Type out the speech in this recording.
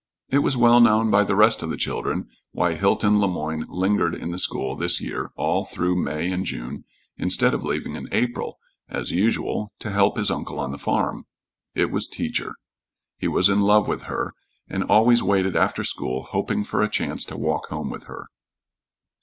It was well known by the rest of the children why Hilton Le Moyne lingered in the school this year all through May and June, instead of leaving in April, as usual, to help his uncle on the farm. It was "Teacher." He was in love with her, and always waited after school, hoping for a chance to walk home with her.